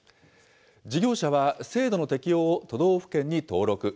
事業者は、制度の適用を都道府県に登録。